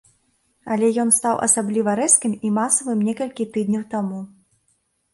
Але ён стаў асабліва рэзкім і масавым некалькі тыдняў таму.